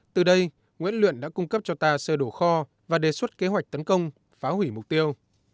từ đây nguyễn luyện đã cung cấp cho ta sơ đổ kho và đề xuất kế hoạch tấn công phá hủy mục tiêu